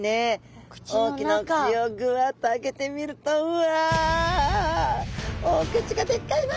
大きなお口をぐわっと開けてみるとうわお口がでっかいな！